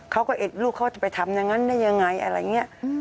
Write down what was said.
เขาก็เอ็ดลูกเขาจะไปทำอย่างนั้นได้ยังไงอะไรอย่างนี้